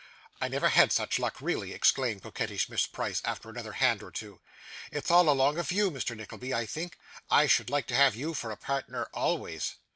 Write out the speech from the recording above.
'I never had such luck, really,' exclaimed coquettish Miss Price, after another hand or two. 'It's all along of you, Mr. Nickleby, I think. I should like to have you for a partner always.